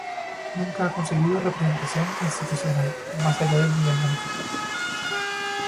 Nunca ha conseguido representación institucional más allá del nivel municipal.